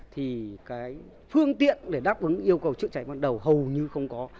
thì cái phương tiện để đáp ứng yêu cầu chữa cháy ban đầu hầu như không có